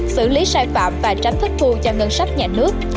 xử lý sai phạm và tránh thất thu cho ngân sách nhà nước